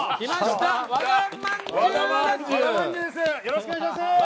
よろしくお願いします！